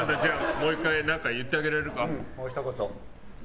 もう１回何か言ってあげられるか？